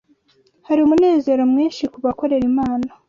hari umunezero mwinshi kubakorera Imana